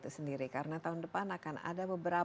tapi sekarang untuk pertama kalinya